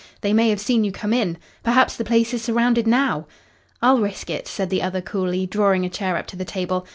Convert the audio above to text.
They may have seen you come in. Perhaps the place is surrounded now." "I'll risk it," said the other coolly, drawing a chair up to the table.